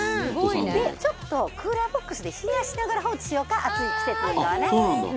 でちょっとクーラーボックスで冷やしながら放置しようか暑い季節なんかはね。